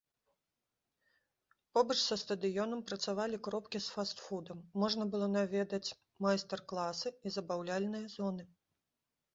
Побач са стадыёнам працавалі кропкі з фаст-фудам, можна было наведаць майстар-класы і забаўляльныя зоны.